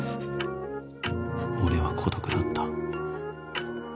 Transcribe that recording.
俺は孤独だった。